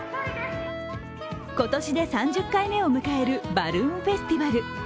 今年で３０回目を迎えるバルーンフェスティバル。